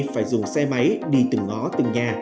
phải dùng xe máy đi từng ngõ từng nhà